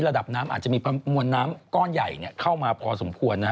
ระดับน้ำอาจจะมีมวลน้ำก้อนใหญ่เข้ามาพอสมควร